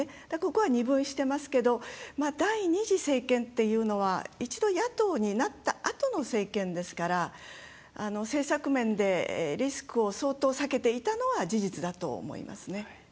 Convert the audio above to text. ここは、二分してますけど第２次政権っていうのは、一度野党になったあとの政権ですから政策面でリスクを相当、避けていたのは事実だと思いますね。